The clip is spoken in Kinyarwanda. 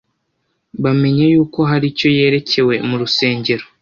‘‘ Bamenya yuko hari icyo yerekewe mu Rusengero